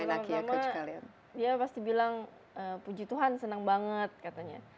ya pertama tama dia pasti bilang puji tuhan senang banget katanya